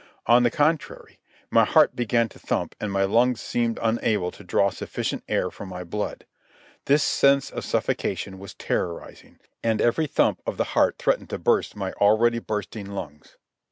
On the contrary, my heart began to thump and my lungs seemed unable to draw sufficient air for my blood. This sense of suffocation was terrorizing, and every thump of the heart threatened to burst my already bursting lungs.